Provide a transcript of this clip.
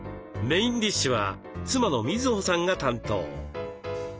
メインディッシュは妻の瑞穂さんが担当。